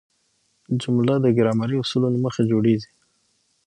جمله د ګرامري اصولو له مخه جوړیږي.